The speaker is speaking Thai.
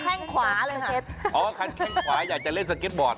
เพราะว่าคันแข้งขวาอยากจะเล่นสเก็ตบอร์ด